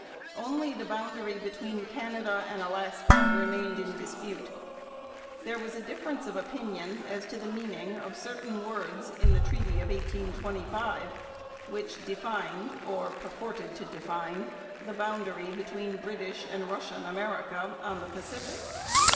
Only the boundary between Canada and Alaska remained in dispute. There was a difference of opinion as to the meaning of certain words in the treaty of 1825 which defined, or purported to define, the boundary between British and Russian America on the Pacific.